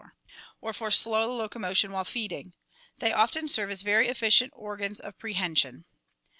304 ORGANIC EVOLUTION or for slow locomotion while feeding. They often serve as very efficient organs of prehension.